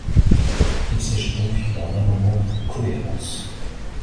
Il s’agit donc d’un amendement de cohérence.